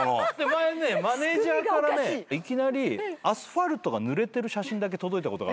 前ねマネジャーからねいきなりアスファルトがぬれてる写真だけ届いたことがあるんですよ。